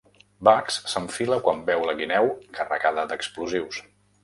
Bugs s'enfila quan veu la guineu carregada d'explosius.